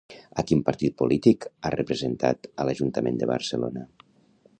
A quin partit polític ha representat a l'Ajuntament de Barcelona?